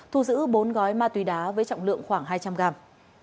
thu giữ bốn gói ma túy đá với trọng lượng khoảng hai trăm linh gram